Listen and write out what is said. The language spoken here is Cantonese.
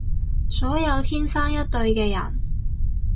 所有天生一對嘅人